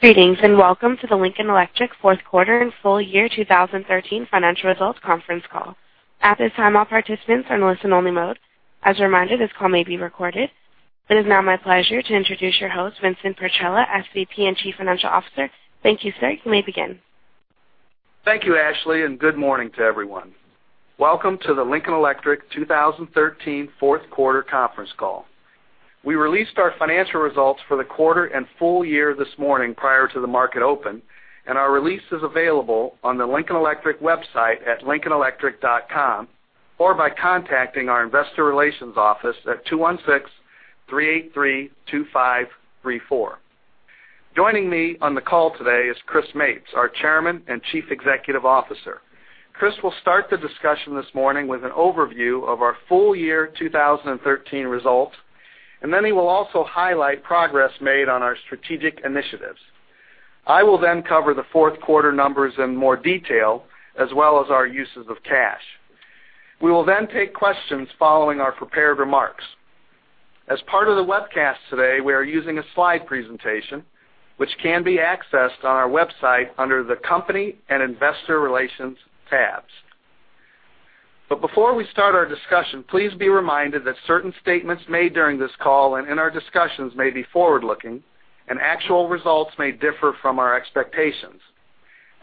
Greetings. Welcome to the Lincoln Electric fourth quarter and full year 2013 financial results conference call. At this time, all participants are in listen only mode. As a reminder, this call may be recorded. It is now my pleasure to introduce your host, Vincent Petrella, Senior Vice President and Chief Financial Officer. Thank you, sir. You may begin. Thank you, Ashley. Good morning to everyone. Welcome to the Lincoln Electric 2013 fourth quarter conference call. We released our financial results for the quarter and full year this morning prior to the market open. Our release is available on the Lincoln Electric website at lincolnelectric.com or by contacting our investor relations office at 216-383-2534. Joining me on the call today is Christopher Mapes, our Chairman and Chief Executive Officer. Chris will start the discussion this morning with an overview of our full year 2013 results. He will also highlight progress made on our strategic initiatives. I will cover the fourth quarter numbers in more detail, as well as our uses of cash. We will take questions following our prepared remarks. As part of the webcast today, we are using a slide presentation, which can be accessed on our website under the Company and Investor Relations tabs. Before we start our discussion, please be reminded that certain statements made during this call and in our discussions may be forward-looking. Actual results may differ from our expectations.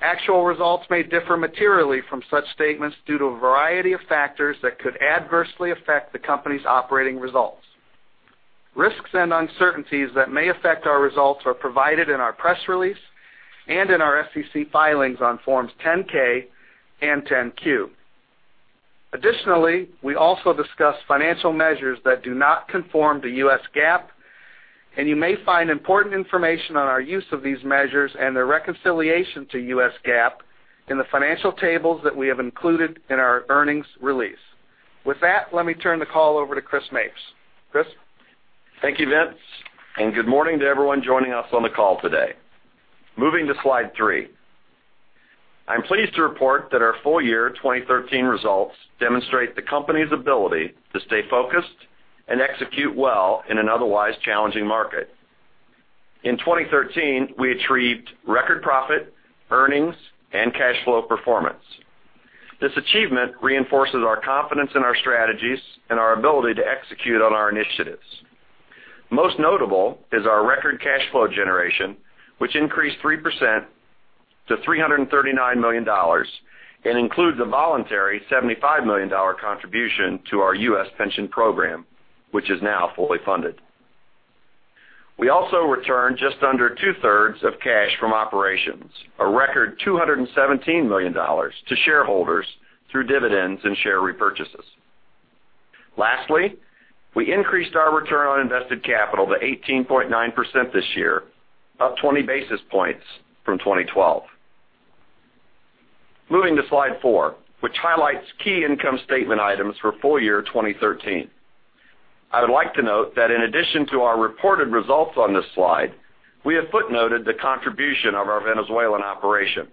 Actual results may differ materially from such statements due to a variety of factors that could adversely affect the company's operating results. Risks and uncertainties that may affect our results are provided in our press release and in our SEC filings on forms 10-K and 10-Q. Additionally, we also discuss financial measures that do not conform to US GAAP. You may find important information on our use of these measures and their reconciliation to US GAAP in the financial tables that we have included in our earnings release. With that, let me turn the call over to Christopher Mapes. Chris? Thank you, Vince, and good morning to everyone joining us on the call today. Moving to slide three. I am pleased to report that our full year 2013 results demonstrate the company's ability to stay focused and execute well in an otherwise challenging market. In 2013, we achieved record profit, earnings, and cash flow performance. This achievement reinforces our confidence in our strategies and our ability to execute on our initiatives. Most notable is our record cash flow generation, which increased 3% to $339 million and includes a voluntary $75 million contribution to our U.S. pension program, which is now fully funded. We also returned just under two-thirds of cash from operations, a record $217 million to shareholders through dividends and share repurchases. Lastly, we increased our return on invested capital to 18.9% this year, up 20 basis points from 2012. Moving to slide four, which highlights key income statement items for full year 2013. I would like to note that in addition to our reported results on this slide, we have footnoted the contribution of our Venezuelan operation,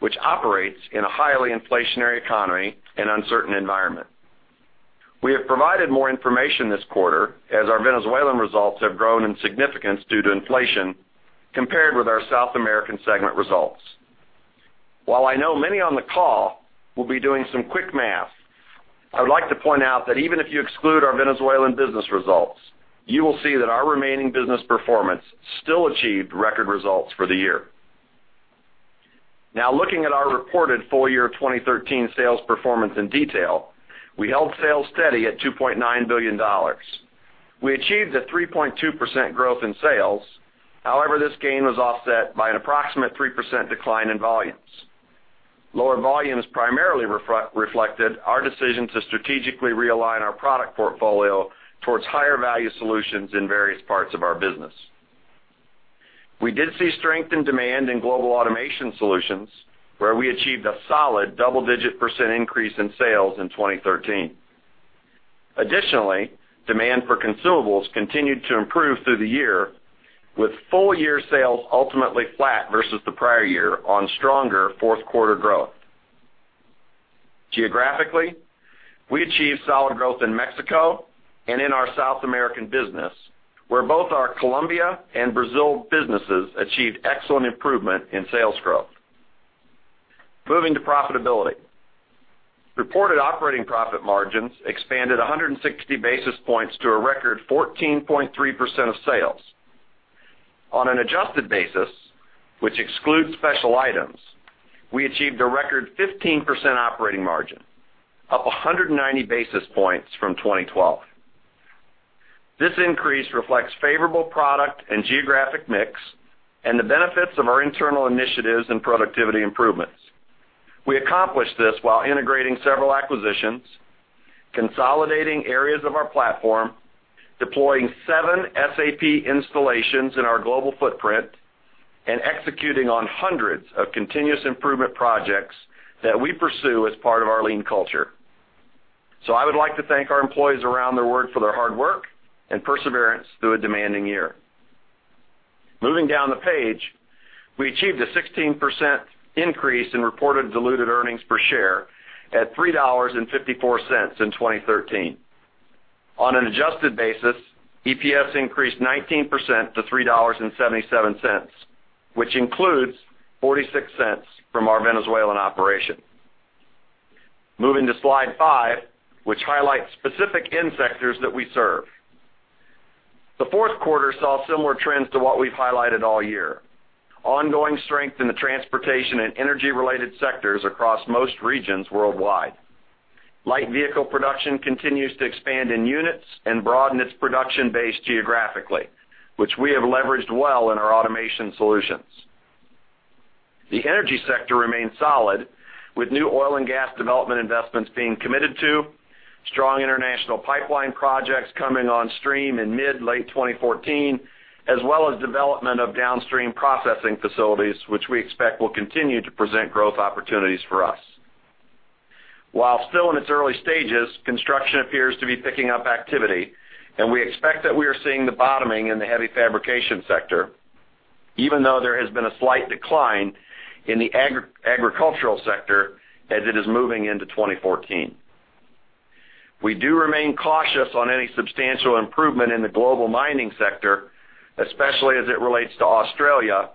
which operates in a highly inflationary economy and uncertain environment. We have provided more information this quarter as our Venezuelan results have grown in significance due to inflation compared with our South American segment results. While I know many on the call will be doing some quick math, I would like to point out that even if you exclude our Venezuelan business results, you will see that our remaining business performance still achieved record results for the year. Now, looking at our reported full year 2013 sales performance in detail, we held sales steady at $2.9 billion. We achieved a 3.2% growth in sales. This gain was offset by an approximate 3% decline in volumes. Lower volumes primarily reflected our decision to strategically realign our product portfolio towards higher value solutions in various parts of our business. We did see strength in demand in global automation solutions, where we achieved a solid double-digit percent increase in sales in 2013. Additionally, demand for consumables continued to improve through the year, with full-year sales ultimately flat versus the prior year on stronger fourth quarter growth. Geographically, we achieved solid growth in Mexico and in our South American business, where both our Colombia and Brazil businesses achieved excellent improvement in sales growth. Moving to profitability. Reported operating profit margins expanded 160 basis points to a record 14.3% of sales. On an adjusted basis, which excludes special items, we achieved a record 15% operating margin, up 190 basis points from 2012. This increase reflects favorable product and geographic mix and the benefits of our internal initiatives and productivity improvements. We accomplished this while integrating several acquisitions, consolidating areas of our platform, deploying seven SAP installations in our global footprint, and executing on hundreds of continuous improvement projects that we pursue as part of our lean culture. I would like to thank our employees around the world for their hard work and perseverance through a demanding year. Moving down the page, we achieved a 16% increase in reported diluted earnings per share at $3.54 in 2013. On an adjusted basis, EPS increased 19% to $3.77, which includes $0.46 from our Venezuelan operation. Moving to Slide 5, which highlights specific end sectors that we serve. The fourth quarter saw similar trends to what we've highlighted all year. Ongoing strength in the transportation and energy-related sectors across most regions worldwide. Light vehicle production continues to expand in units and broaden its production base geographically, which we have leveraged well in our automation solutions. The energy sector remains solid, with new oil and gas development investments being committed to, strong international pipeline projects coming on stream in mid-late 2014, as well as development of downstream processing facilities, which we expect will continue to present growth opportunities for us. While still in its early stages, construction appears to be picking up activity, and we expect that we are seeing the bottoming in the heavy fabrication sector, even though there has been a slight decline in the agricultural sector as it is moving into 2014. We do remain cautious on any substantial improvement in the global mining sector, especially as it relates to Australia,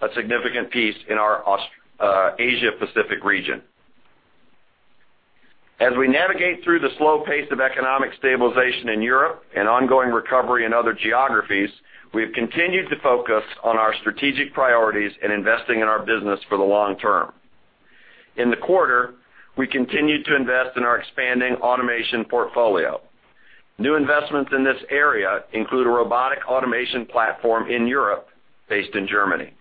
a significant piece in our Asia Pacific region. As we navigate through the slow pace of economic stabilization in Europe and ongoing recovery in other geographies, we have continued to focus on our strategic priorities in investing in our business for the long term. In the quarter, we continued to invest in our expanding automation portfolio. New investments in this area include a robotic automation platform in Europe, based in Germany.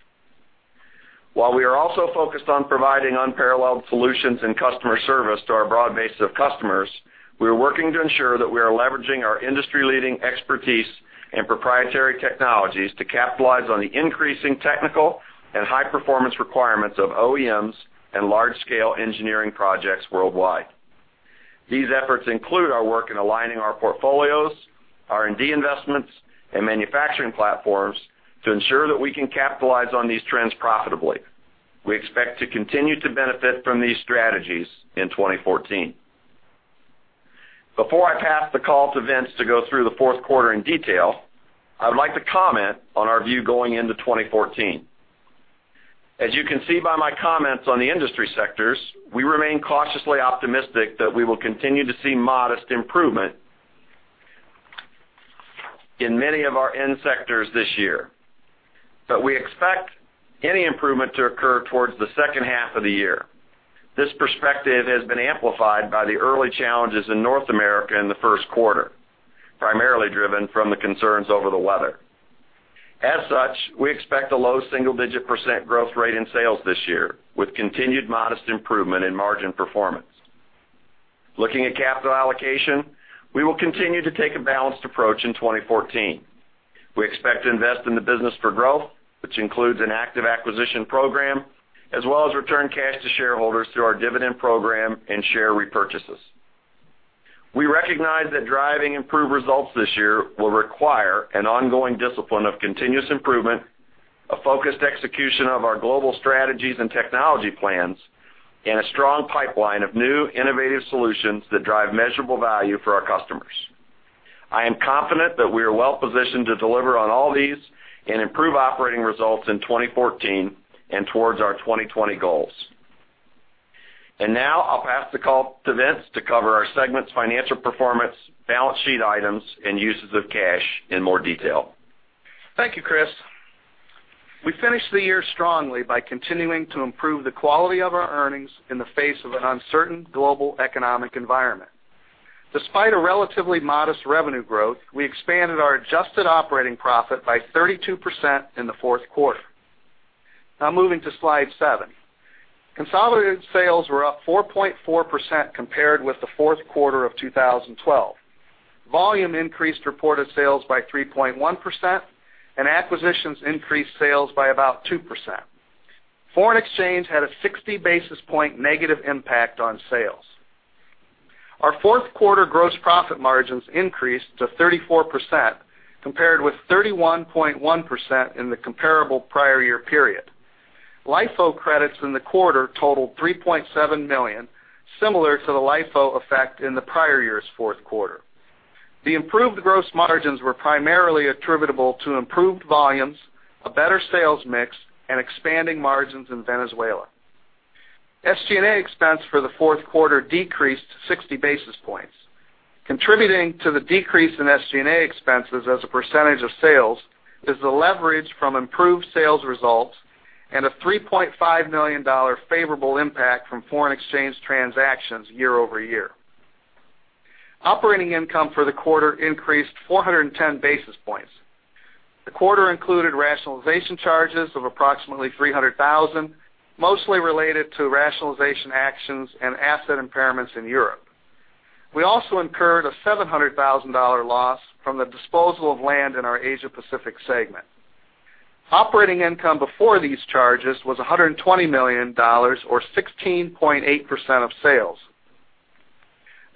While we are also focused on providing unparalleled solutions and customer service to our broad base of customers, we are working to ensure that we are leveraging our industry-leading expertise and proprietary technologies to capitalize on the increasing technical and high-performance requirements of OEMs and large-scale engineering projects worldwide. These efforts include our work in aligning our portfolios, R&D investments, and manufacturing platforms to ensure that we can capitalize on these trends profitably. We expect to continue to benefit from these strategies in 2014. Before I pass the call to Vince to go through the fourth quarter in detail, I would like to comment on our view going into 2014. As you can see by my comments on the industry sectors, we remain cautiously optimistic that we will continue to see modest improvement in many of our end sectors this year, but we expect any improvement to occur towards the second half of the year. This perspective has been amplified by the early challenges in North America in the first quarter, primarily driven from the concerns over the weather. As such, we expect a low single-digit % growth rate in sales this year, with continued modest improvement in margin performance. Looking at capital allocation, we will continue to take a balanced approach in 2014. We expect to invest in the business for growth, which includes an active acquisition program, as well as return cash to shareholders through our dividend program and share repurchases. We recognize that driving improved results this year will require an ongoing discipline of continuous improvement, a focused execution of our global strategies and technology plans, and a strong pipeline of new innovative solutions that drive measurable value for our customers. I am confident that we are well-positioned to deliver on all these and improve operating results in 2014 and towards our 2020 goals. I'll pass the call to Vince to cover our segment's financial performance, balance sheet items, and uses of cash in more detail. Thank you, Chris. We finished the year strongly by continuing to improve the quality of our earnings in the face of an uncertain global economic environment. Despite a relatively modest revenue growth, we expanded our adjusted operating profit by 32% in the fourth quarter. Moving to Slide 7. Consolidated sales were up 4.4% compared with the fourth quarter of 2012. Volume increased reported sales by 3.1%, acquisitions increased sales by about 2%. Foreign exchange had a 60-basis-point negative impact on sales. Our fourth quarter gross profit margins increased to 34%, compared with 31.1% in the comparable prior year period. LIFO credits in the quarter totaled $3.7 million, similar to the LIFO effect in the prior year's fourth quarter. The improved gross margins were primarily attributable to improved volumes, a better sales mix, and expanding margins in Venezuela. SG&A expense for the fourth quarter decreased 60 basis points. Contributing to the decrease in SG&A expenses as a percentage of sales is the leverage from improved sales results and a $3.5 million favorable impact from foreign exchange transactions year-over-year. Operating income for the quarter increased 410 basis points. The quarter included rationalization charges of approximately $300,000, mostly related to rationalization actions and asset impairments in Europe. We also incurred a $700,000 loss from the disposal of land in our Asia Pacific segment. Operating income before these charges was $120 million or 16.8% of sales.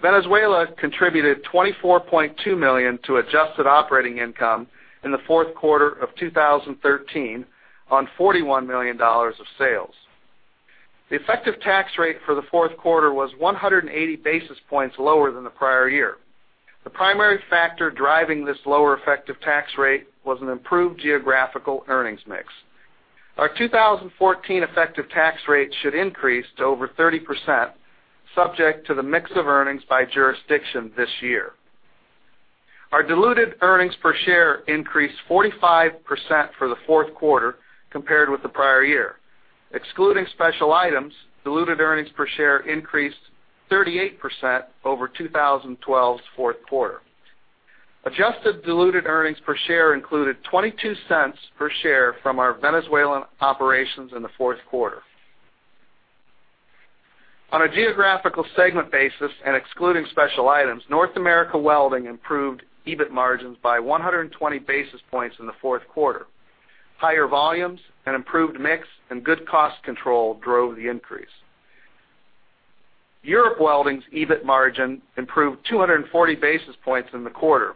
Venezuela contributed $24.2 million to adjusted operating income in the fourth quarter of 2013 on $41 million of sales. The effective tax rate for the fourth quarter was 180 basis points lower than the prior year. The primary factor driving this lower effective tax rate was an improved geographical earnings mix. Our 2014 effective tax rate should increase to over 30%, subject to the mix of earnings by jurisdiction this year. Our diluted earnings per share increased 45% for the fourth quarter compared with the prior year. Excluding special items, diluted earnings per share increased 38% over 2012's fourth quarter. Adjusted diluted earnings per share included $0.22 per share from our Venezuelan operations in the fourth quarter. On a geographical segment basis and excluding special items, North America Welding improved EBIT margins by 120 basis points in the fourth quarter. Higher volumes, an improved mix, good cost control drove the increase. Europe Welding's EBIT margin improved 240 basis points in the quarter.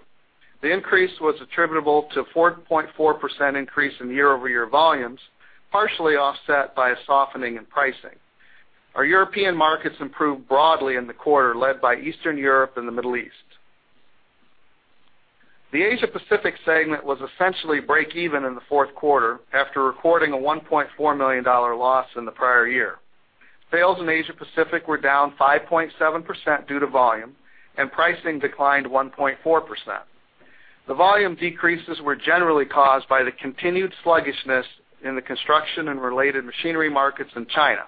The increase was attributable to a 4.4% increase in year-over-year volumes, partially offset by a softening in pricing. Our European markets improved broadly in the quarter, led by Eastern Europe and the Middle East. The Asia Pacific segment was essentially break even in the fourth quarter after recording a $1.4 million loss in the prior year. Sales in Asia Pacific were down 5.7% due to volume, and pricing declined 1.4%. The volume decreases were generally caused by the continued sluggishness in the construction and related machinery markets in China.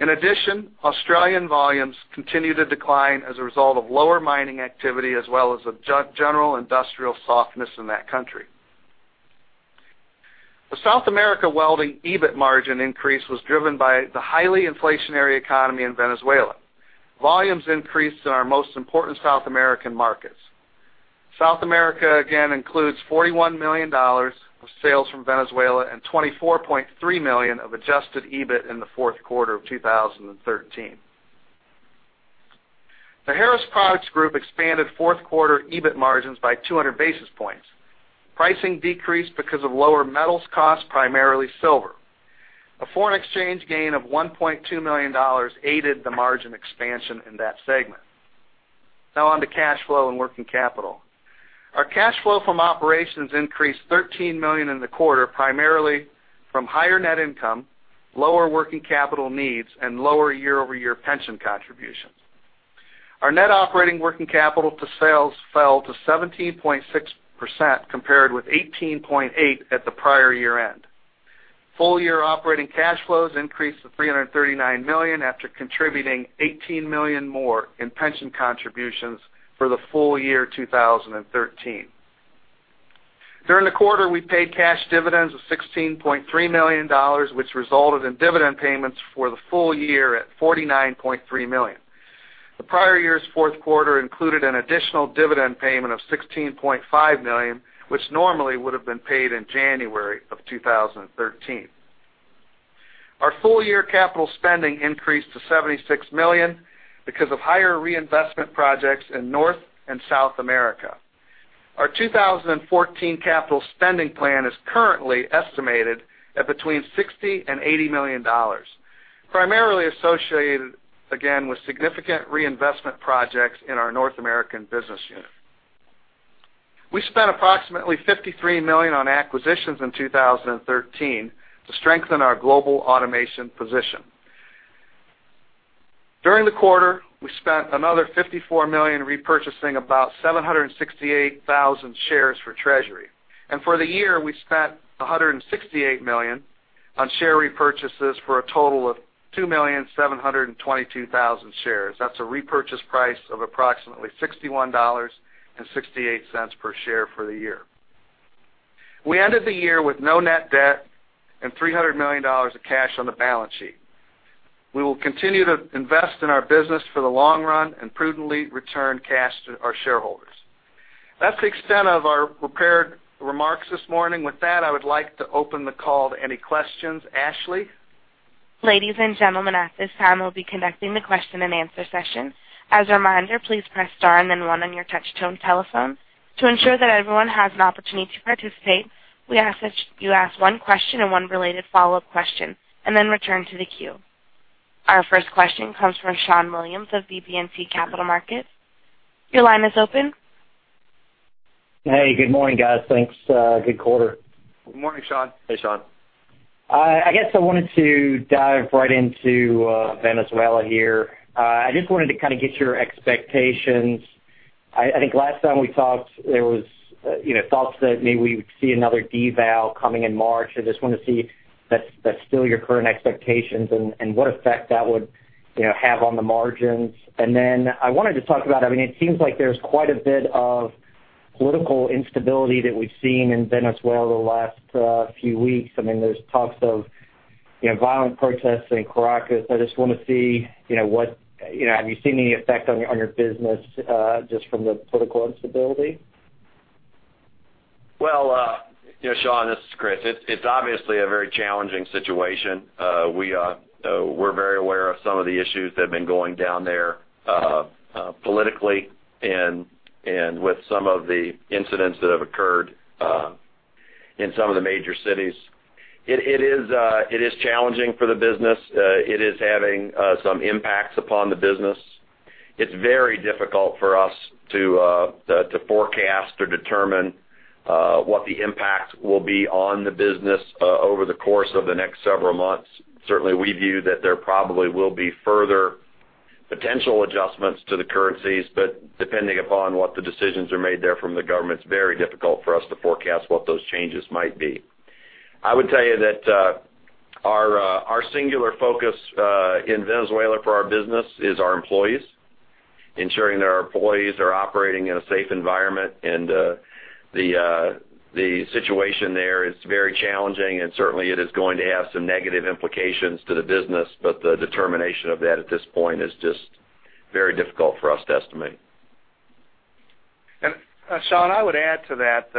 In addition, Australian volumes continue to decline as a result of lower mining activity, as well as a general industrial softness in that country. The South America Welding EBIT margin increase was driven by the highly inflationary economy in Venezuela. Volumes increased in our most important South American markets. South America, again, includes $41 million of sales from Venezuela and $24.3 million of adjusted EBIT in the fourth quarter of 2013. The Harris Products Group expanded fourth-quarter EBIT margins by 200 basis points. Pricing decreased because of lower metals costs, primarily silver. A foreign exchange gain of $1.2 million aided the margin expansion in that segment. Now on to cash flow and working capital. Our cash flow from operations increased $13 million in the quarter, primarily from higher net income, lower working capital needs, and lower year-over-year pension contributions. Our net operating working capital to sales fell to 17.6%, compared with 18.8% at the prior year-end. Full-year operating cash flows increased to $339 million after contributing $18 million more in pension contributions for the full year 2013. During the quarter, we paid cash dividends of $16.3 million, which resulted in dividend payments for the full year at $49.3 million. The prior year's fourth quarter included an additional dividend payment of $16.5 million, which normally would have been paid in January of 2013. Our full-year capital spending increased to $76 million because of higher reinvestment projects in North and South America. Our 2014 capital spending plan is currently estimated at between $60 million-$80 million, primarily associated, again, with significant reinvestment projects in our North American business unit. We spent approximately $53 million on acquisitions in 2013 to strengthen our global automation position. During the quarter, we spent another $54 million repurchasing about 768,000 shares for treasury. For the year, we spent $168 million on share repurchases for a total of 2,722,000 shares. That's a repurchase price of approximately $61.68 per share for the year. We ended the year with no net debt and $300 million of cash on the balance sheet. We will continue to invest in our business for the long run and prudently return cash to our shareholders. That's the extent of our prepared remarks this morning. With that, I would like to open the call to any questions. Ashley? Ladies and gentlemen, at this time, we'll be conducting the question and answer session. As a reminder, please press star and then one on your touch-tone telephone. To ensure that everyone has an opportunity to participate, we ask that you ask one question and one related follow-up question, and then return to the queue. Our first question comes from Schon Williams of BB&T Capital Markets. Your line is open. Hey, good morning, guys. Thanks. Good quarter. Good morning, Schon. Hey, Schon. I guess I wanted to dive right into Venezuela here. I just wanted to kind of get your expectations. I think last time we talked, there was thoughts that maybe we would see another deval coming in March. I just want to see if that's still your current expectations and what effect that would have on the margins. I wanted to talk about, it seems like there's quite a bit of political instability that we've seen in Venezuela the last few weeks. There's talks of violent protests in Caracas. I just want to see, have you seen any effect on your business just from the political instability? Well, Schon, this is Chris. It's obviously a very challenging situation. We are very aware of some of the issues that have been going down there politically and with some of the incidents that have occurred in some of the major cities. It is challenging for the business. It is having some impacts upon the business. It's very difficult for us to forecast or determine what the impact will be on the business over the course of the next several months. Certainly, we view that there probably will be further potential adjustments to the currencies, but depending upon what the decisions are made there from the government, it's very difficult for us to forecast what those changes might be. I would tell you that our singular focus in Venezuela for our business is our employees, ensuring that our employees are operating in a safe environment. The situation there is very challenging, and certainly, it is going to have some negative implications to the business, but the determination of that at this point is just very difficult for us to estimate. Schon, I would add to that,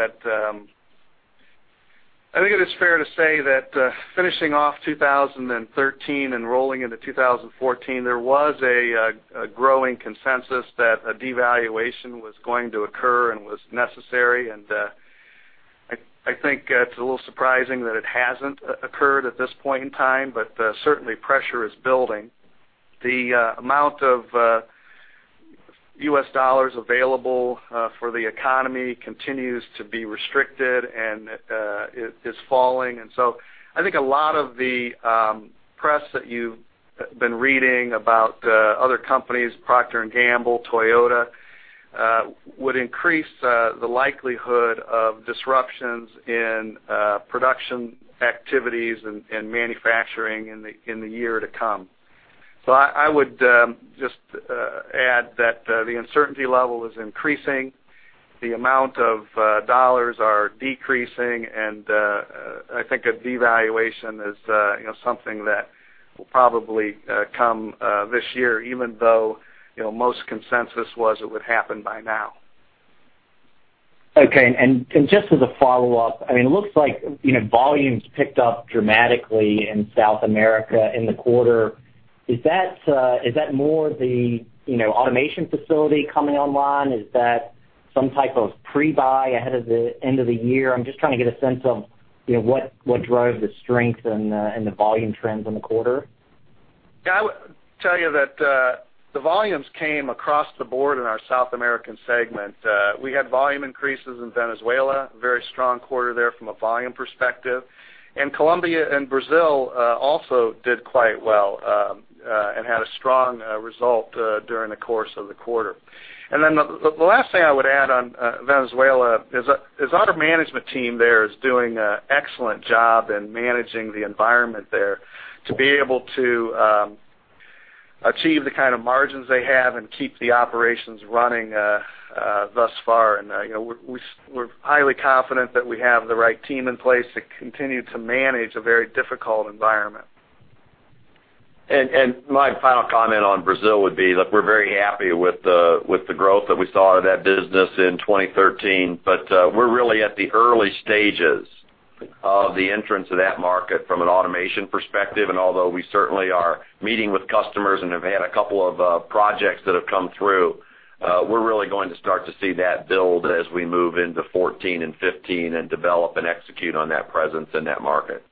I think it is fair to say that finishing off 2013 and rolling into 2014, there was a growing consensus that a devaluation was going to occur and was necessary. I think it's a little surprising that it hasn't occurred at this point in time, but certainly pressure is building. The amount of U.S. dollars available for the economy continues to be restricted and is falling. I think a lot of the press that you've been reading about other companies, Procter & Gamble, Toyota, would increase the likelihood of disruptions in production activities and manufacturing in the year to come. I would just add that the uncertainty level is increasing, the amount of dollars are decreasing, and I think a devaluation is something that will probably come this year, even though most consensus was it would happen by now. Okay. Just as a follow-up, it looks like volumes picked up dramatically in South America in the quarter. Is that more the automation facility coming online? Is that some type of pre-buy ahead of the end of the year? I'm just trying to get a sense of what drove the strength and the volume trends in the quarter. Yeah, I would tell you that the volumes came across the board in our South America Welding segment. We had volume increases in Venezuela, a very strong quarter there from a volume perspective. Colombia and Brazil also did quite well and had a strong result during the course of the quarter. The last thing I would add on Venezuela is our management team there is doing an excellent job in managing the environment there to be able to achieve the kind of margins they have and keep the operations running thus far. We're highly confident that we have the right team in place to continue to manage a very difficult environment. My final comment on Brazil would be, look, we're very happy with the growth that we saw out of that business in 2013. We're really at the early stages of the entrance of that market from an automation perspective. Although we certainly are meeting with customers and have had a couple of projects that have come through, we're really going to start to see that build as we move into 2014 and 2015 and develop and execute on that presence in that market.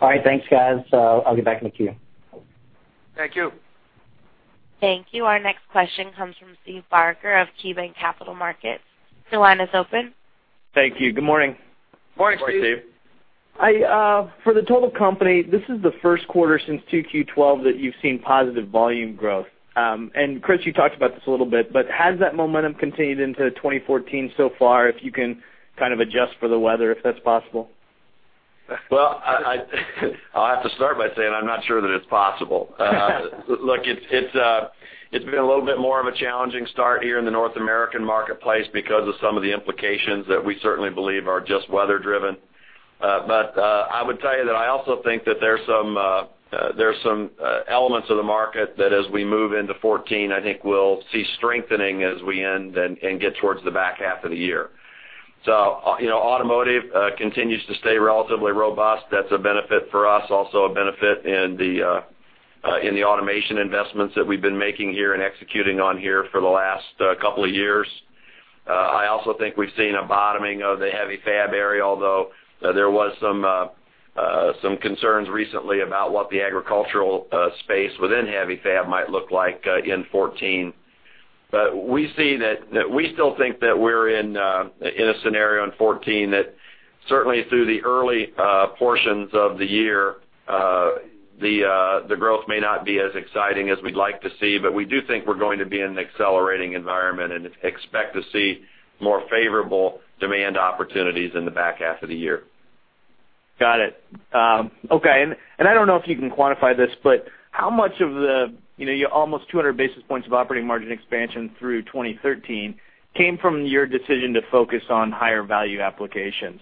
All right. Thanks, guys. I'll get back in the queue. Thank you. Thank you. Our next question comes from Steve Barger of KeyBanc Capital Markets. Your line is open. Thank you. Good morning. Morning, Steve. Morning, Steve. For the total company, this is the first quarter since 2Q 2012 that you've seen positive volume growth. Chris, you talked about this a little bit, but has that momentum continued into 2014 so far, if you can kind of adjust for the weather, if that's possible? Well I'll have to start by saying I'm not sure that it's possible. Look, it's been a little bit more of a challenging start here in the North American marketplace because of some of the implications that we certainly believe are just weather driven. I would tell you that I also think that there's some elements of the market that as we move into 2014, I think we'll see strengthening as we end and get towards the back half of the year. Automotive continues to stay relatively robust. That's a benefit for us, also a benefit in the automation investments that we've been making here and executing on here for the last couple of years. I also think we've seen a bottoming of the heavy fab area, although there was some concerns recently about what the agricultural space within heavy fab might look like in 2014. We still think that we're in a scenario in 2014 that certainly through the early portions of the year, the growth may not be as exciting as we'd like to see. We do think we're going to be in an accelerating environment and expect to see more favorable demand opportunities in the back half of the year. Got it. Okay. I don't know if you can quantify this, but how much of your almost 200 basis points of operating margin expansion through 2013 came from your decision to focus on higher value applications?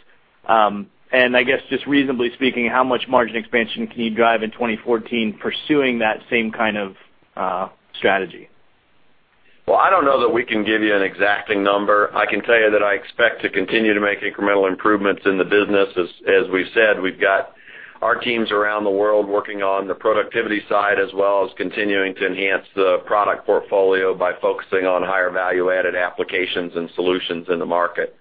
I guess just reasonably speaking, how much margin expansion can you drive in 2014 pursuing that same kind of strategy. Well, I don't know that we can give you an exacting number. I can tell you that I expect to continue to make incremental improvements in the business. As we've said, we've got our teams around the world working on the productivity side, as well as continuing to enhance the product portfolio by focusing on higher value-added applications and solutions in the market.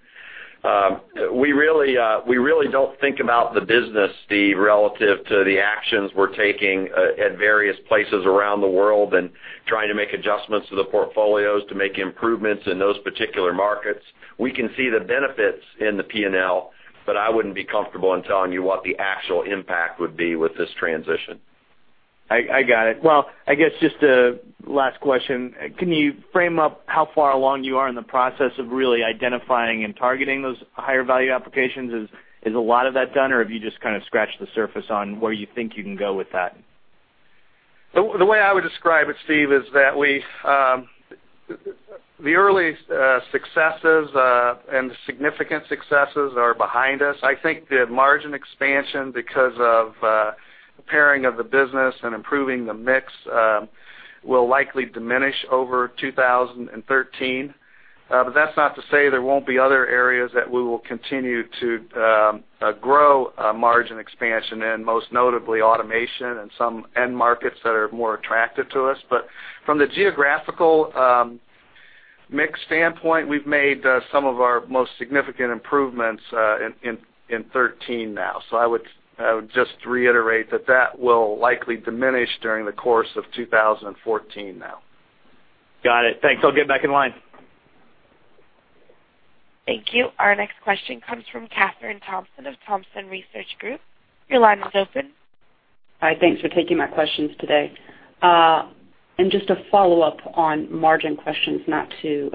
We really don't think about the business, Steve, relative to the actions we're taking at various places around the world and trying to make adjustments to the portfolios to make improvements in those particular markets. We can see the benefits in the P&L, but I wouldn't be comfortable in telling you what the actual impact would be with this transition. I got it. Well, I guess just a last question. Can you frame up how far along you are in the process of really identifying and targeting those higher value applications? Is a lot of that done, or have you just kind of scratched the surface on where you think you can go with that? The way I would describe it, Steve, is that the early successes and the significant successes are behind us. I think the margin expansion, because of pairing of the business and improving the mix, will likely diminish over 2013. That's not to say there won't be other areas that we will continue to grow margin expansion in, most notably automation and some end markets that are more attractive to us. From the geographical mix standpoint, we've made some of our most significant improvements in 2013 now. I would just reiterate that that will likely diminish during the course of 2014 now. Got it. Thanks. I'll get back in line. Thank you. Our next question comes from Kathryn Thompson of Thompson Research Group. Your line is open. Hi, thanks for taking my questions today. Just a follow-up on margin questions, not to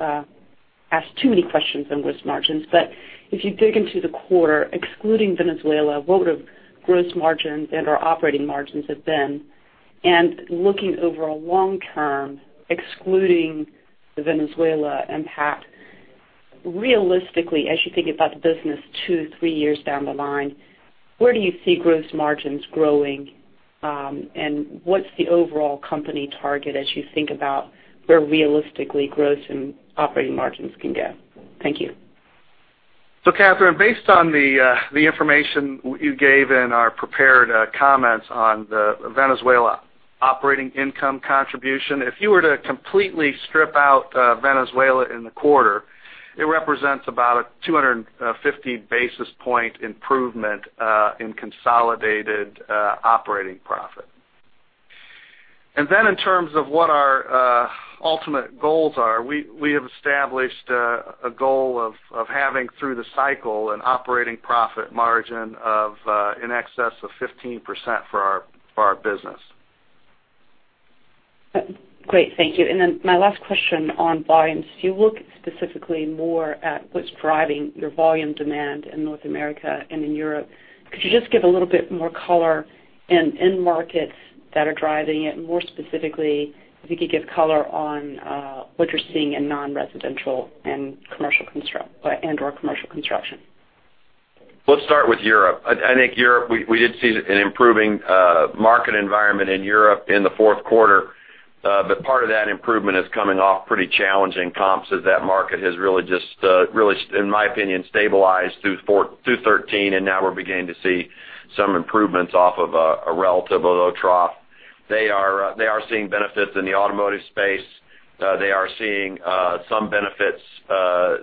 ask too many questions on gross margins, but if you dig into the quarter, excluding Venezuela, what would have gross margins and/or operating margins have been? Looking over a long term, excluding the Venezuela impact, realistically, as you think about the business two, three years down the line, where do you see gross margins growing? What's the overall company target as you think about where realistically gross and operating margins can go? Thank you. Kathryn, based on the information you gave in our prepared comments on the Venezuela operating income contribution, if you were to completely strip out Venezuela in the quarter, it represents about a 250 basis point improvement in consolidated operating profit. In terms of what our ultimate goals are, we have established a goal of having, through the cycle, an operating profit margin of in excess of 15% for our business. Great. Thank you. My last question on volumes. You look specifically more at what's driving your volume demand in North America and in Europe. Could you just give a little bit more color in end markets that are driving it? More specifically, if you could give color on what you're seeing in non-residential and/or commercial construction. Let's start with Europe. I think Europe, we did see an improving market environment in Europe in the fourth quarter. Part of that improvement is coming off pretty challenging comps as that market has really just, in my opinion, stabilized through 2013, and now we're beginning to see some improvements off of a relatively low trough. They are seeing benefits in the automotive space. They are seeing some benefits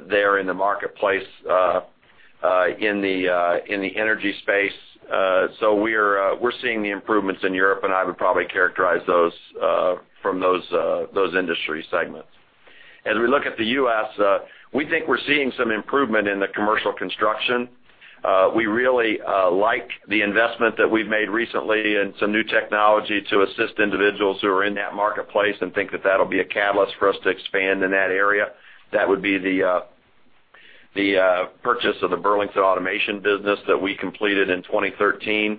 there in the marketplace in the energy space. We're seeing the improvements in Europe, and I would probably characterize those from those industry segments. As we look at the U.S., we think we're seeing some improvement in the commercial construction. We really like the investment that we've made recently in some new technology to assist individuals who are in that marketplace and think that that'll be a catalyst for us to expand in that area. That would be the purchase of the Burlington Automation business that we completed in 2013.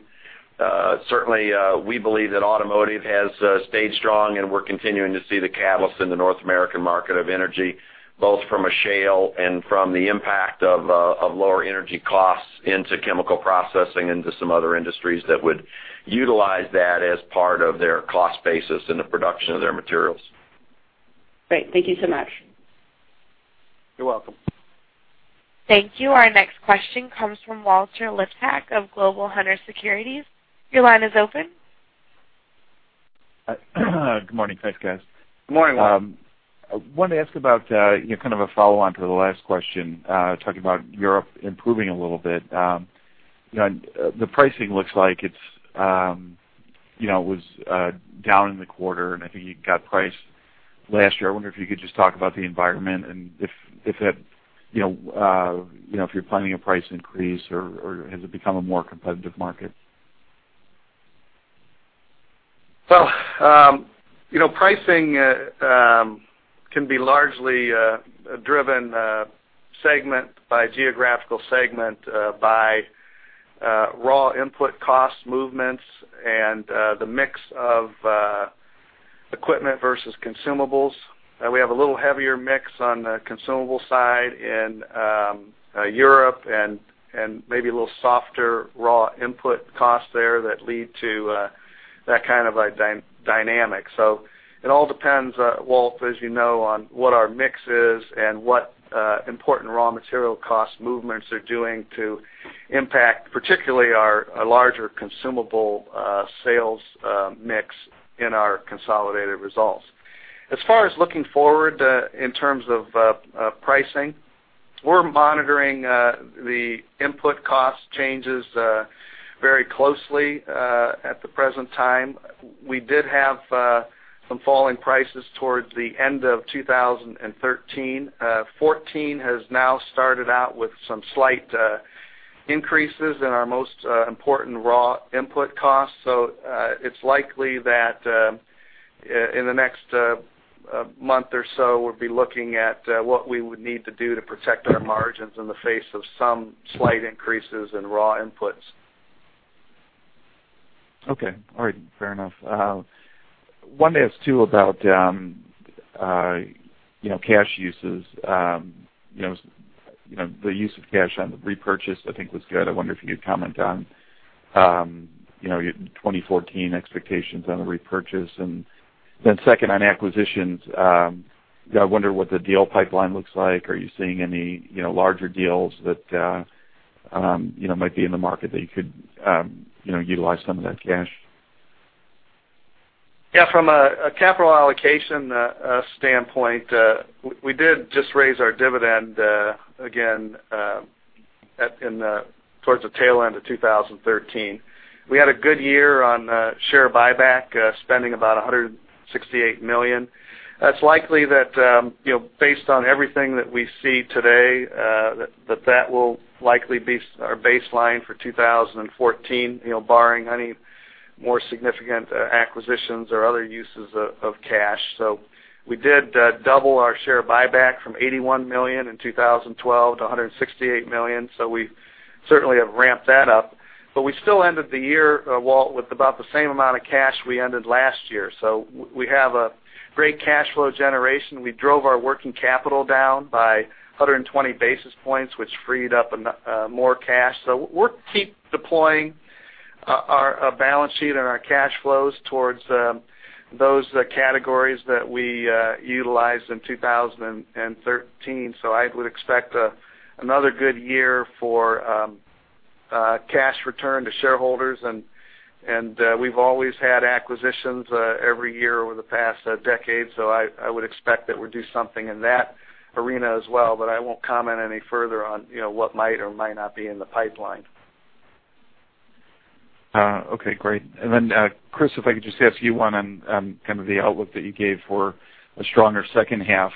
Certainly, we believe that automotive has stayed strong, and we're continuing to see the catalyst in the North American market of energy, both from a shale and from the impact of lower energy costs into chemical processing into some other industries that would utilize that as part of their cost basis in the production of their materials. Great. Thank you so much. You're welcome. Thank you. Our next question comes from Walter Liptak of Global Hunter Securities. Your line is open. Good morning. Thanks, guys. Good morning, Walter. I wanted to ask about kind of a follow-on to the last question, talking about Europe improving a little bit. The pricing looks like it was down in the quarter, and I think you got priced last year. I wonder if you could just talk about the environment and if you're planning a price increase or has it become a more competitive market? Well, pricing can be largely driven segment by geographical segment by raw input cost movements and the mix of Equipment versus consumables. We have a little heavier mix on the consumable side in Europe and maybe a little softer raw input costs there that lead to that kind of a dynamic. It all depends, Walt, as you know, on what our mix is and what important raw material cost movements are doing to impact, particularly our larger consumable sales mix in our consolidated results. As far as looking forward in terms of pricing, we're monitoring the input cost changes very closely at the present time. We did have some falling prices towards the end of 2013. 2014 has now started out with some slight increases in our most important raw input costs. It's likely that in the next month or so, we'll be looking at what we would need to do to protect our margins in the face of some slight increases in raw inputs. Okay. All right. Fair enough. Wanted to ask too about cash uses. The use of cash on the repurchase, I think, was good. I wonder if you could comment on your 2014 expectations on the repurchase. Then second on acquisitions, I wonder what the deal pipeline looks like. Are you seeing any larger deals that might be in the market that you could utilize some of that cash? Yeah, from a capital allocation standpoint, we did just raise our dividend again towards the tail end of 2013. We had a good year on share buyback, spending about $168 million. It's likely that based on everything that we see today, that will likely be our baseline for 2014, barring any more significant acquisitions or other uses of cash. We did double our share buyback from $81 million in 2012 to $168 million. We certainly have ramped that up. We still ended the year, Walt, with about the same amount of cash we ended last year. We have a great cash flow generation. We drove our working capital down by 120 basis points, which freed up more cash. We'll keep deploying our balance sheet and our cash flows towards those categories that we utilized in 2013. I would expect another good year for cash return to shareholders. We've always had acquisitions every year over the past decade, I would expect that we'll do something in that arena as well. I won't comment any further on what might or might not be in the pipeline. Okay, great. Chris, if I could just ask you one on kind of the outlook that you gave for a stronger second half.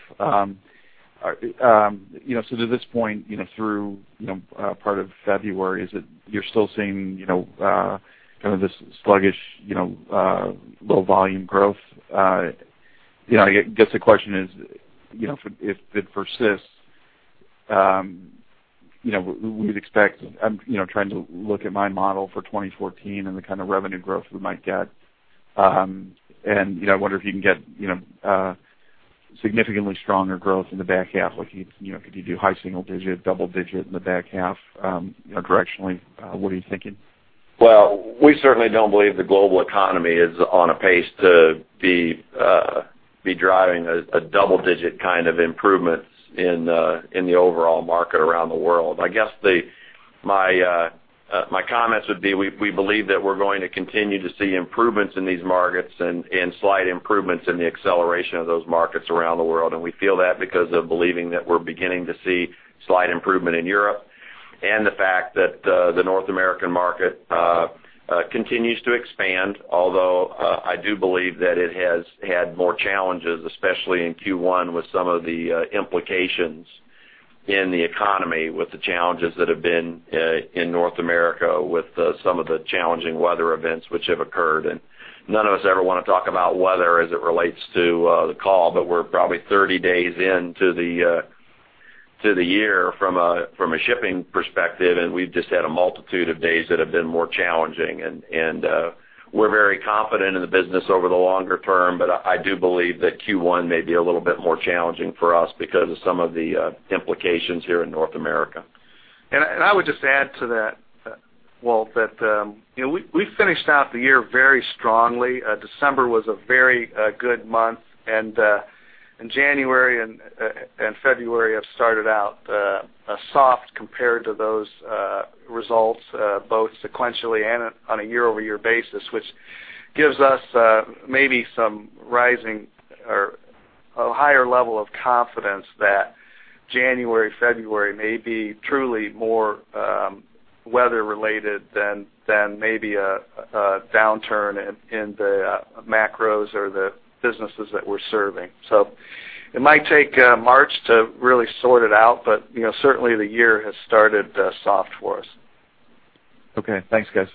To this point through part of February, is it you're still seeing kind of this sluggish low volume growth? I guess the question is, if it persists, we'd expect. I'm trying to look at my model for 2014 and the kind of revenue growth we might get. I wonder if you can get significantly stronger growth in the back half. Could you do high single digit, double digit in the back half directionally? What are you thinking? Well, we certainly don't believe the global economy is on a pace to be driving a double-digit kind of improvements in the overall market around the world. I guess my comments would be, we believe that we're going to continue to see improvements in these markets and slight improvements in the acceleration of those markets around the world. We feel that because of believing that we're beginning to see slight improvement in Europe and the fact that the North American market continues to expand. Although I do believe that it has had more challenges, especially in Q1, with some of the implications in the economy, with the challenges that have been in North America, with some of the challenging weather events which have occurred. None of us ever want to talk about weather as it relates to the call, we're probably 30 days into the year from a shipping perspective, we've just had a multitude of days that have been more challenging. We're very confident in the business over the longer term. I do believe that Q1 may be a little bit more challenging for us because of some of the implications here in North America. I would just add to that, Walt, that we finished out the year very strongly. December was a very good month, January and February have started out soft compared to those results, both sequentially and on a year-over-year basis, which gives us maybe some rising or a higher level of confidence that January, February may be truly more weather related than maybe a downturn in the macros or the businesses that we're serving. It might take March to really sort it out, but certainly the year has started soft for us. Okay. Thanks, guys.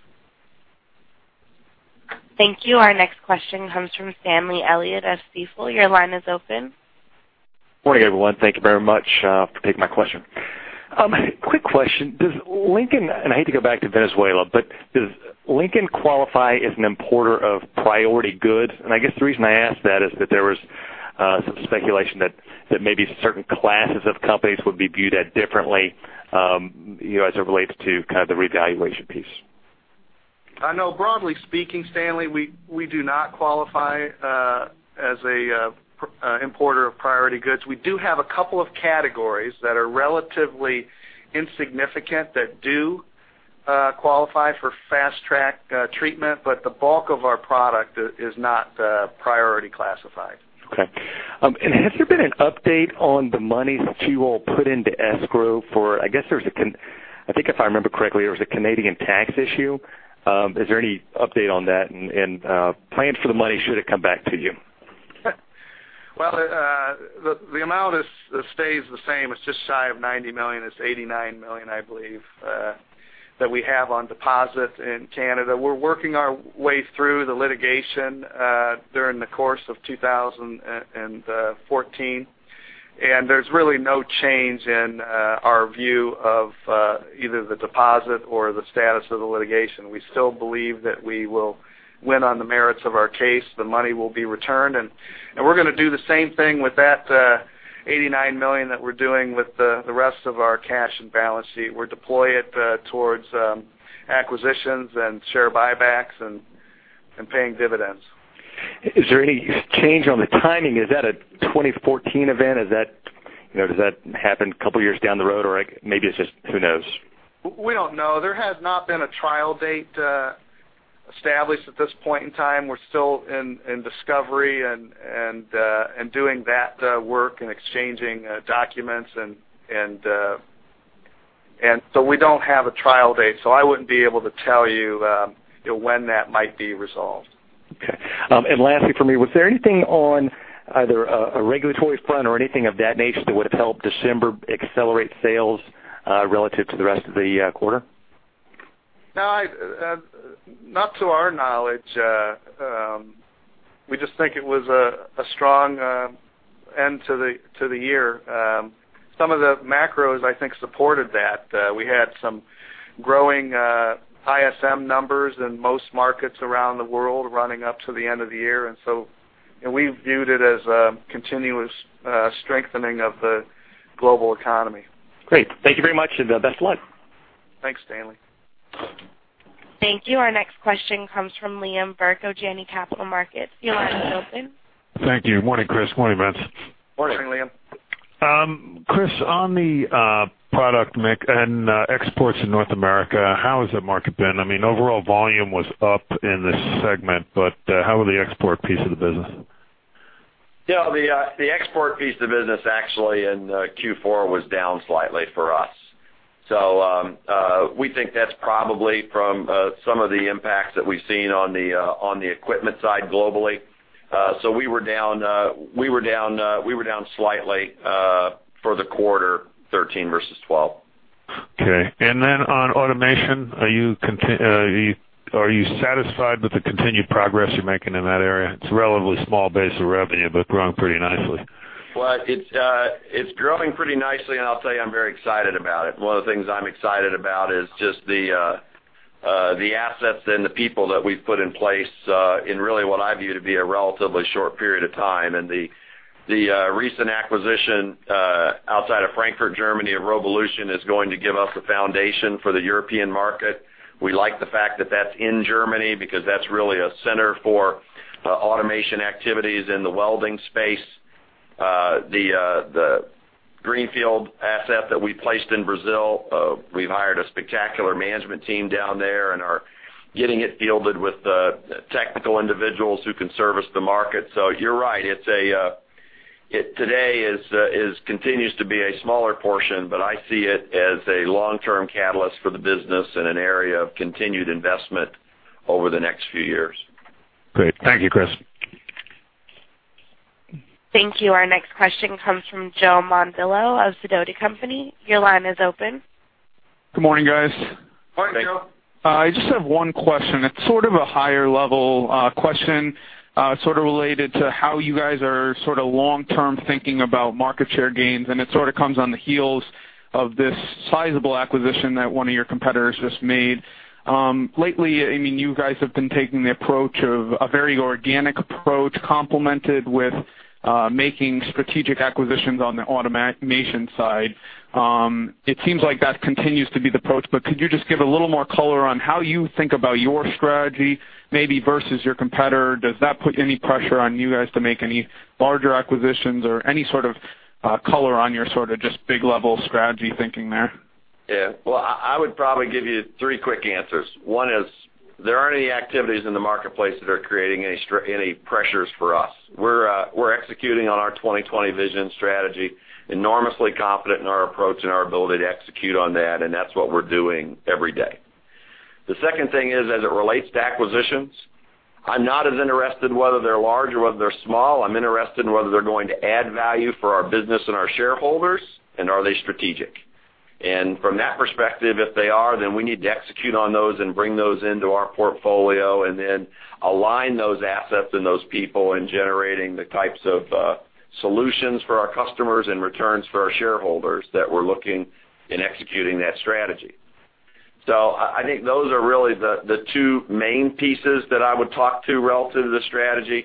Thank you. Our next question comes from Stanley Elliott of Stifel. Your line is open. Morning, everyone. Thank you very much for taking my question. Quick question. Does Lincoln, and I hate to go back to Venezuela, but does Lincoln qualify as an importer of priority goods? I guess the reason I ask that is that there was some speculation that maybe certain classes of companies would be viewed at differently as it relates to kind of the revaluation piece. No, broadly speaking, Stanley, we do not qualify as an importer of priority goods. We do have a couple of categories that are relatively insignificant that do qualify for fast-track treatment, but the bulk of our product is not priority classified. Okay. Has there been an update on the monies that you all put into escrow for, I think if I remember correctly, there was a Canadian tax issue. Is there any update on that and plans for the money, should it come back to you? Well, the amount stays the same. It is just shy of $90 million. It is $89 million, I believe, that we have on deposit in Canada. We are working our way through the litigation during the course of 2014, there is really no change in our view of either the deposit or the status of the litigation. We still believe that we will win on the merits of our case. The money will be returned, we are going to do the same thing with that $89 million that we are doing with the rest of our cash and balance sheet. We will deploy it towards acquisitions and share buybacks and paying dividends. Is there any change on the timing? Is that a 2014 event? Does that happen a couple years down the road? Maybe it is just, who knows? We don't know. There has not been a trial date established at this point in time. We're still in discovery and doing that work and exchanging documents. We don't have a trial date, I wouldn't be able to tell you when that might be resolved. Okay. Lastly for me, was there anything on either a regulatory front or anything of that nature that would have helped December accelerate sales relative to the rest of the quarter? No, not to our knowledge. We just think it was a strong end to the year. Some of the macros, I think, supported that. We had some growing ISM numbers in most markets around the world running up to the end of the year. We viewed it as a continuous strengthening of the global economy. Great. Thank you very much, best of luck. Thanks, Stanley. Thank you. Our next question comes from Liam Burke, Janney Capital Markets. Your line is open. Thank you. Morning, Chris. Morning, Vince. Morning, Liam. Chris, on the product mix and exports in North America, how has that market been? I mean, overall volume was up in this segment, but how were the export piece of the business? Yeah, the export piece of the business actually in Q4 was down slightly for us. We think that's probably from some of the impacts that we've seen on the equipment side globally. We were down slightly for the quarter 13 versus 12. Okay. On automation, are you satisfied with the continued progress you're making in that area? It's a relatively small base of revenue, but growing pretty nicely. Well, it's growing pretty nicely, and I'll tell you, I'm very excited about it. One of the things I'm excited about is just the assets and the people that we've put in place in really what I view to be a relatively short period of time, and the recent acquisition outside of Frankfurt, Germany, of Robolution, is going to give us a foundation for the European market. We like the fact that that's in Germany, because that's really a center for automation activities in the welding space. The Greenfield asset that we placed in Brazil, we've hired a spectacular management team down there and are getting it fielded with technical individuals who can service the market. You're right. Today, it continues to be a smaller portion, but I see it as a long-term catalyst for the business and an area of continued investment over the next few years. Great. Thank you, Chris. Thank you. Our next question comes from Joe Mondillo of Sidoti & Company. Your line is open. Good morning, guys. Morning, Joe. I just have one question. It's sort of a higher-level question, sort of related to how you guys are sort of long-term thinking about market share gains, and it sort of comes on the heels of this sizable acquisition that one of your competitors just made. Lately, you guys have been taking the approach of a very organic approach complemented with making strategic acquisitions on the automation side. It seems like that continues to be the approach, but could you just give a little more color on how you think about your strategy, maybe versus your competitor? Does that put any pressure on you guys to make any larger acquisitions or any sort of color on your sort of just big-level strategy thinking there? Yeah. Well, I would probably give you three quick answers. One is there aren't any activities in the marketplace that are creating any pressures for us. We're executing on our 2020 Vision & Strategy, enormously confident in our approach and our ability to execute on that, and that's what we're doing every day. The second thing is, as it relates to acquisitions, I'm not as interested whether they're large or whether they're small. I'm interested in whether they're going to add value for our business and our shareholders, and are they strategic? From that perspective, if they are, then we need to execute on those and bring those into our portfolio, and then align those assets and those people in generating the types of solutions for our customers and returns for our shareholders that we're looking in executing that strategy. I think those are really the two main pieces that I would talk to relative to the strategy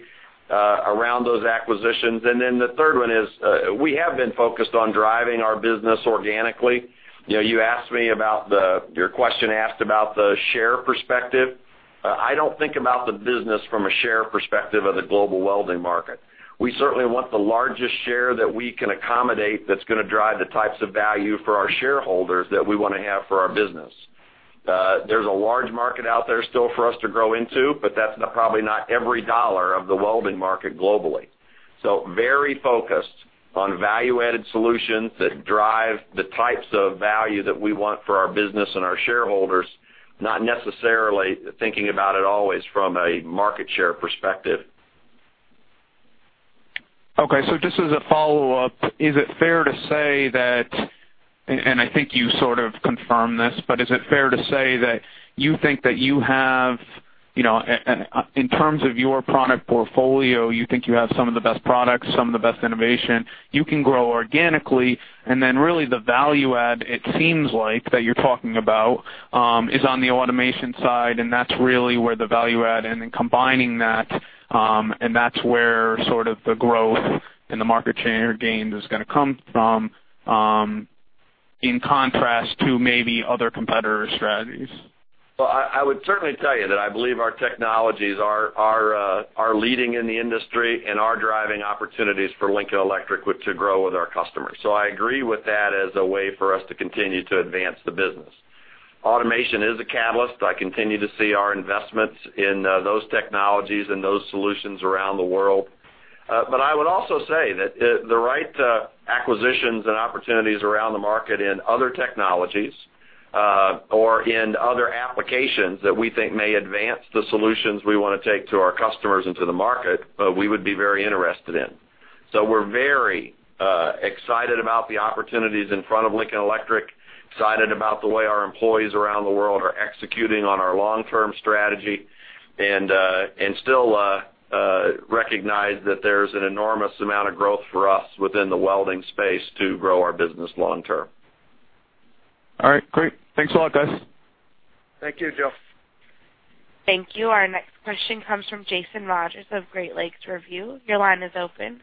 around those acquisitions. The third one is, we have been focused on driving our business organically. Your question asked about the share perspective. I don't think about the business from a share perspective of the global welding market. We certainly want the largest share that we can accommodate that's going to drive the types of value for our shareholders that we want to have for our business. There's a large market out there still for us to grow into, but that's probably not every dollar of the welding market globally. Very focused on value-added solutions that drive the types of value that we want for our business and our shareholders, not necessarily thinking about it always from a market share perspective. Okay. Just as a follow-up, and I think you sort of confirmed this, but is it fair to say that you think that in terms of your product portfolio, you think you have some of the best products, some of the best innovation, you can grow organically, and then really the value add, it seems like that you're talking about, is on the automation side, and that's really where the value add and then combining that, and that's where sort of the growth in the market share gains is going to come from, in contrast to maybe other competitor strategies? Well, I would certainly tell you that I believe our technologies are leading in the industry and are driving opportunities for Lincoln Electric, to grow with our customers. I agree with that as a way for us to continue to advance the business. Automation is a catalyst. I continue to see our investments in those technologies and those solutions around the world. I would also say that the right acquisitions and opportunities around the market in other technologies, or in other applications that we think may advance the solutions we want to take to our customers and to the market, we would be very interested in. We're very excited about the opportunities in front of Lincoln Electric, excited about the way our employees around the world are executing on our long-term strategy, and still recognize that there's an enormous amount of growth for us within the welding space to grow our business long term. All right, great. Thanks a lot, guys. Thank you, Joe. Thank you. Our next question comes from Jason Rogers of Great Lakes Review. Your line is open.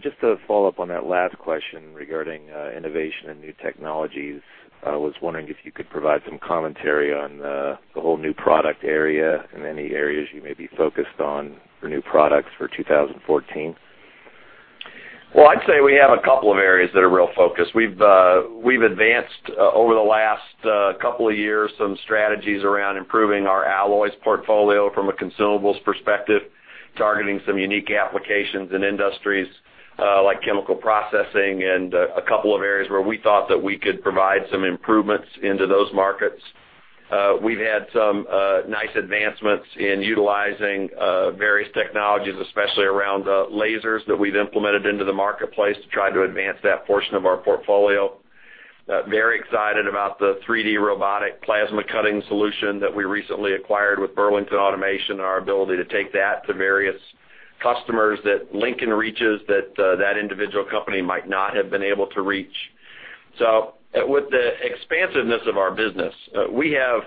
Just to follow up on that last question regarding innovation and new technologies, I was wondering if you could provide some commentary on the whole new product area and any areas you may be focused on for new products for 2014. Well, I'd say we have a couple of areas that are real focused. We've advanced, over the last couple of years, some strategies around improving our alloys portfolio from a consumables perspective, targeting some unique applications in industries like chemical processing and a couple of areas where we thought that we could provide some improvements into those markets. We've had some nice advancements in utilizing various technologies, especially around lasers that we've implemented into the marketplace to try to advance that portion of our portfolio. Very excited about the 3D robotic plasma cutting solution that we recently acquired with Burlington Automation and our ability to take that to various customers that Lincoln reaches that that individual company might not have been able to reach. With the expansiveness of our business, we have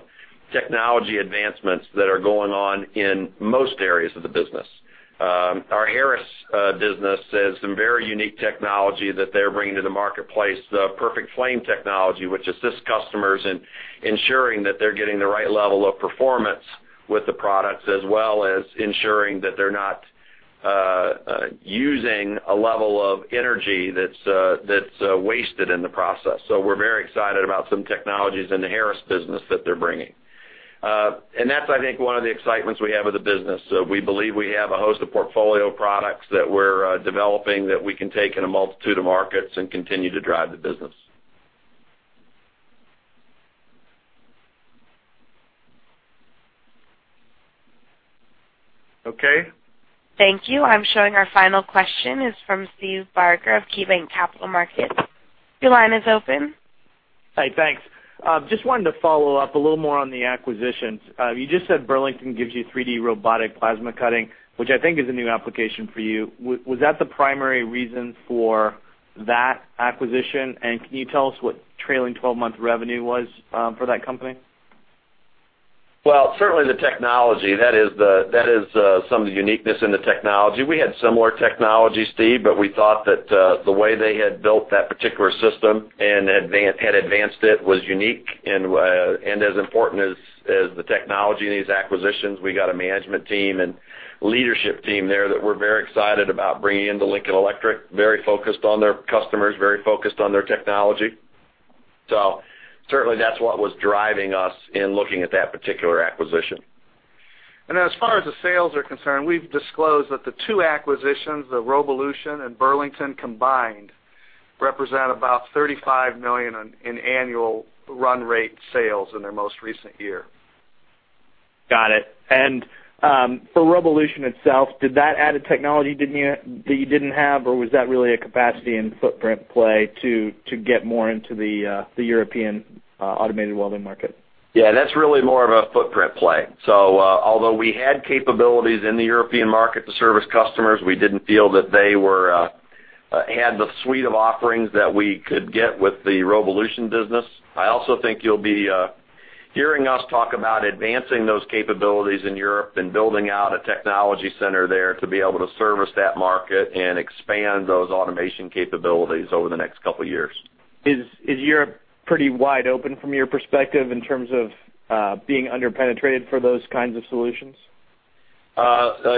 technology advancements that are going on in most areas of the business. Our Harris business has some very unique technology that they're bringing to the marketplace, the Perfect Flame technology, which assists customers in ensuring that they're getting the right level of performance with the products, as well as ensuring that they're not using a level of energy that's wasted in the process. We're very excited about some technologies in the Harris business that they're bringing. That's, I think, one of the excitements we have with the business. We believe we have a host of portfolio products that we're developing that we can take in a multitude of markets and continue to drive the business. Okay. Thank you. I'm showing our final question is from Steve Barger of KeyBanc Capital Markets. Your line is open. Hi, thanks. Just wanted to follow up a little more on the acquisitions. You just said Burlington gives you 3D robotic plasma cutting, which I think is a new application for you. Was that the primary reason for that acquisition? Can you tell us what trailing 12-month revenue was for that company? Well, certainly the technology. That is some of the uniqueness in the technology. We had similar technology, Steve, but we thought that the way they had built that particular system and had advanced it was unique. As important as the technology in these acquisitions, we got a management team and leadership team there that we're very excited about bringing into Lincoln Electric, very focused on their customers, very focused on their technology. Certainly that's what was driving us in looking at that particular acquisition. As far as the sales are concerned, we've disclosed that the two acquisitions, the Robolution and Burlington combined, represent about $35 million in annual run rate sales in their most recent year. Got it. For Robolution itself, did that add a technology that you didn't have, or was that really a capacity and footprint play to get more into the European automated welding market? That's really more of a footprint play. Although we had capabilities in the European market to service customers, we didn't feel that they had the suite of offerings that we could get with the Robolution business. I also think you'll be hearing us talk about advancing those capabilities in Europe and building out a technology center there to be able to service that market and expand those automation capabilities over the next couple of years. Is Europe pretty wide open from your perspective in terms of being under-penetrated for those kinds of solutions?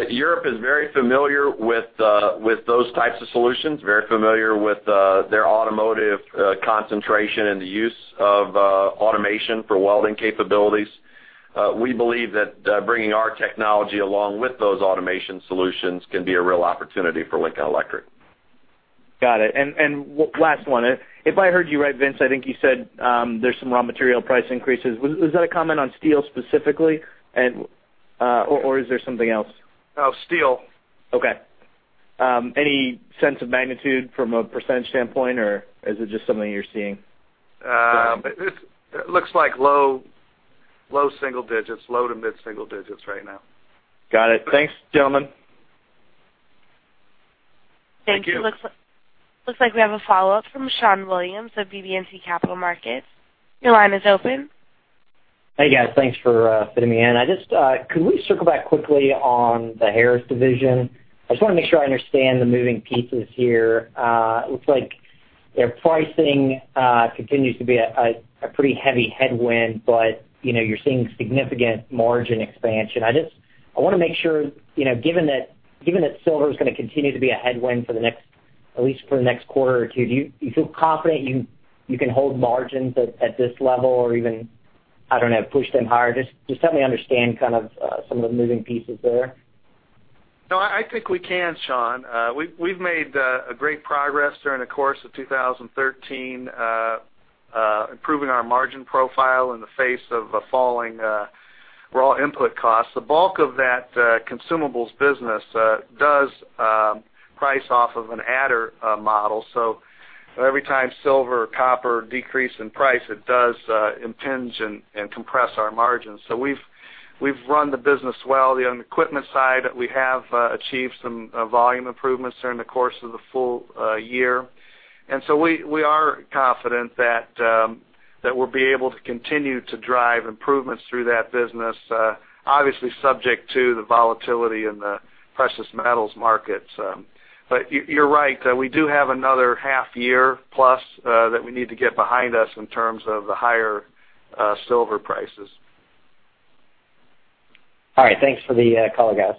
Europe is very familiar with those types of solutions, very familiar with their automotive concentration and the use of automation for welding capabilities. We believe that bringing our technology along with those automation solutions can be a real opportunity for Lincoln Electric. Last one. If I heard you right, Vince, I think you said, there's some raw material price increases. Was that a comment on steel specifically, or is there something else? No, steel. Okay. Any sense of magnitude from a percentage standpoint, or is it just something you're seeing? It looks like low single digits, low to mid single digits right now. Got it. Thanks, gentlemen. Thank you. Thank you. Looks like we have a follow-up from Schon Williams of BB&T Capital Markets. Your line is open. Hey, guys. Thanks for fitting me in. Can we circle back quickly on the Harris division? I just want to make sure I understand the moving pieces here. It looks like their pricing continues to be a pretty heavy headwind, but you're seeing significant margin expansion. I want to make sure, given that silver is going to continue to be a headwind at least for the next quarter or two, do you feel confident you can hold margins at this level or even, I don't know, push them higher? Just help me understand some of the moving pieces there. No, I think we can, Schon. We've made great progress during the course of 2013, improving our margin profile in the face of falling raw input costs. The bulk of that consumables business does price off of an adder model. Every time silver or copper decrease in price, it does impinge and compress our margins. We've run the business well. On the equipment side, we have achieved some volume improvements during the course of the full year. We are confident that we'll be able to continue to drive improvements through that business, obviously subject to the volatility in the precious metals markets. You're right, we do have another half year plus that we need to get behind us in terms of the higher silver prices. All right. Thanks for the call, guys.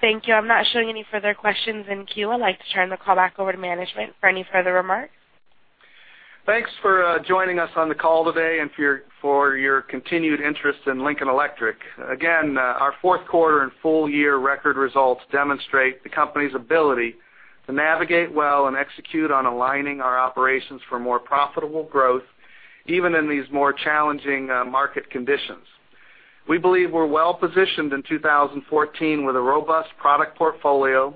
Thank you. I'm not showing any further questions in queue. I'd like to turn the call back over to management for any further remarks. Thanks for joining us on the call today and for your continued interest in Lincoln Electric. Again, our fourth quarter and full-year record results demonstrate the company's ability to navigate well and execute on aligning our operations for more profitable growth, even in these more challenging market conditions. We believe we're well-positioned in 2014 with a robust product portfolio,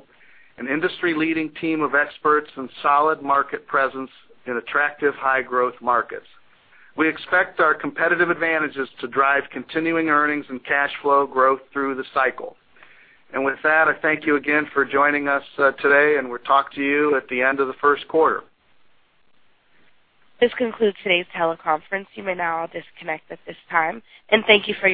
an industry-leading team of experts, and solid market presence in attractive high-growth markets. We expect our competitive advantages to drive continuing earnings and cash flow growth through the cycle. With that, I thank you again for joining us today, and we'll talk to you at the end of the first quarter. This concludes today's teleconference. You may now disconnect at this time, and thank you for your participation.